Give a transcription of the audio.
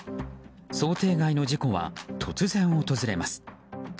想定外の事故は突然、訪れます。